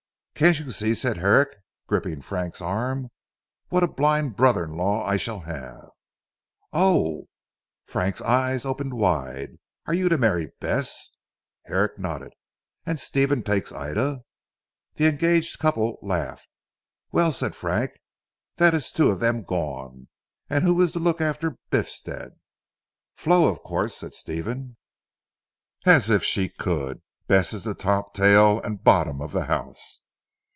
"Can't you see," said Herrick gripping Frank's arm. "What a blind brother in law I shall have." "Oh!" Frank's eyes opened wide. "Are you to marry Bess?" Herrick nodded. "And Stephen takes Ida?" the engaged couple laughed. "Well," said Frank, "that is two of them gone, and who is to look after Biffstead?" "Flo of course," said Stephen. "As if she could! Bess is the top, tail, and bottom of the house."